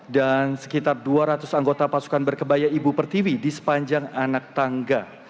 dan sekitar dua ratus anggota pasukan berkebaya ibu pertiwi di sepanjang anak tangga